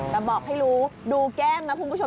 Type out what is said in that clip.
แต่บอกให้รู้ดูแก้มนะคุณผู้ชม